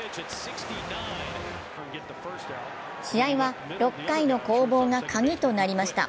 試合は６回の攻防がカギとなりました。